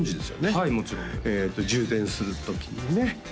はいもちろんえっと充電する時にね